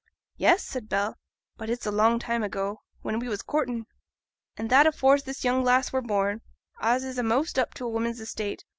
'Yes,' said Bell; 'but it's a long time ago; when we was courting.' 'An' that's afore this young lass were born, as is a'most up to woman's estate.